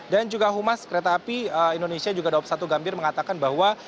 dan juga humas kereta api indonesia juga daup satu gambir mengatakan bahwa